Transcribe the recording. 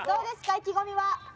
意気込みは。